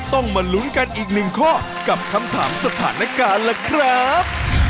ต้องมาลุ้นกันอีกหนึ่งข้อกับคำถามสถานการณ์ล่ะครับ